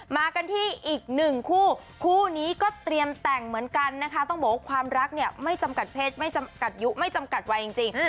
มากันที่อีกหนึ่งคู่คู่นี้ก็เตรียมแต่งเหมือนกันนะคะต้องบอกว่าความรักเนี่ยไม่จำกัดเพศไม่จำกัดยุไม่จำกัดวัยจริง